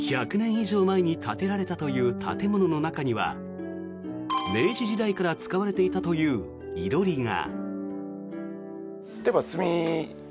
以上前に建てられたという建物の中には明治時代から使われていたという囲炉裏が。